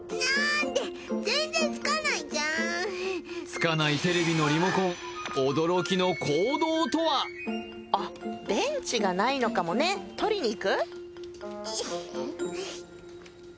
つかないテレビのリモコン驚きの行動とはあっ電池がないのかもね取りに行く？